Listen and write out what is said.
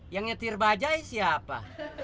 yang nyetir bajai siapa